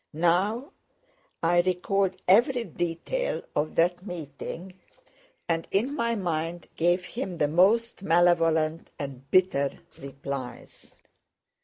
Now I recalled every detail of that meeting and in my mind gave him the most malevolent and bitter replies.